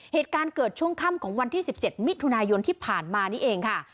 เหตุการณ์เกิดช่วงค่ำของวันที่๑๗มิถุนายนที่ผ่านมานี่เองค่ะ